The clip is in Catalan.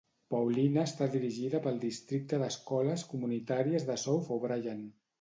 Paullina està dirigida pel districte d'escoles comunitàries de South O'Brien.